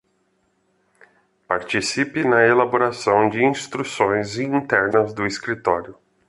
Participe na elaboração de instruções internas do Escritório.